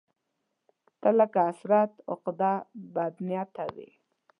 ته لکه حسرت، عقده، بدنيته وې